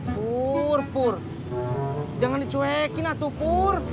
pur pur jangan dicuekin atau pur